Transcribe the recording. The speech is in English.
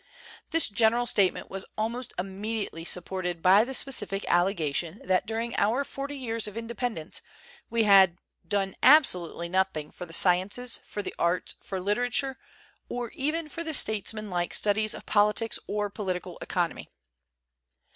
This general statement was almost immedi ately supported by the specific allegation that during our forty years of independence, we had "done absolutely nothing for the sciences, for the arts, for literature, or even for the states man like studies of politics or political economy."